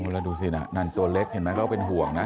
แล้วดูสินะนั่นตัวเล็กเห็นไหมก็เป็นห่วงนะ